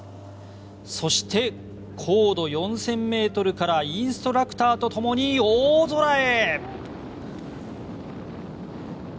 そして、高度４０００ｍからインストラクターとともに大空へ。